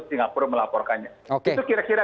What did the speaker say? singapura melaporkannya itu kira kira